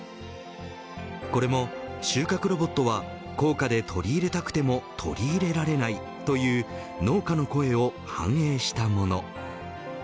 これも、収穫ロボットは高価で取り入れたくても取り入れられないという農家の声を反映したもの。